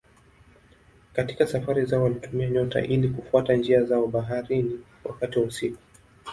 Katika safari zao walitumia nyota ili kufuata njia zao baharini wakati wa usiku.